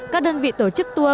các đơn vị tổ chức tour